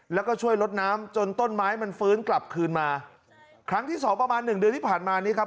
แล้วก็ช่วยลดน้ำจนต้นไม้มันฟื้นกลับคืนมาครั้งที่สองประมาณหนึ่งเดือนที่ผ่านมานี้ครับ